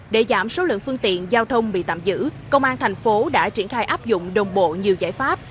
để giảm số lượng phương tiện giao thông bị tạm giữ công an thành phố đã triển khai áp dụng đồng bộ nhiều giải pháp